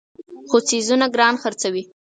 خو څیزونه ګران خرڅوي.